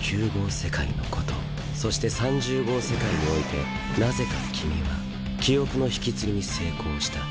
世界のことそして３０号世界においてなぜか君は記憶の引き継ぎに成功した。